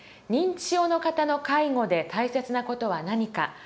認知症の方の介護で大切な事は何か。